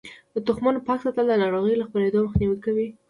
د تخمونو پاک ساتل د ناروغیو له خپریدو مخنیوی کوي.